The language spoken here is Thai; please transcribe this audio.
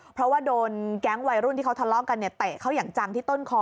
เพราะว่าโดนแก๊งวัยรุ่นที่เขาทะเลาะกันเนี่ยเตะเขาอย่างจังที่ต้นคอ